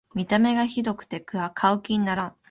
見た目がひどくて買う気にならん